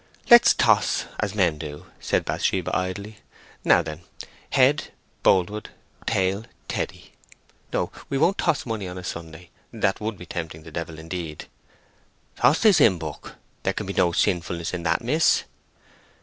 "Let's toss as men do," said Bathsheba, idly. "Now then, head, Boldwood; tail, Teddy. No, we won't toss money on a Sunday, that would be tempting the devil indeed." "Toss this hymn book; there can't be no sinfulness in that, miss."